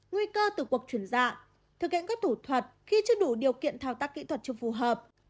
nguy cơ từ cuộc chuyển dạ thực hiện các thủ thuật khi chưa đủ điều kiện thao tác kỹ thuật cho phù hợp